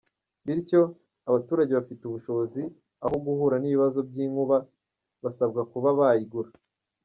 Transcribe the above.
Bityo abaturage bafite ubushobozi aho guhura n’ibibazo by’inkuba, basabwa kuba bayigura.